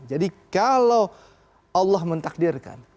jadi kalau allah mentakdirkan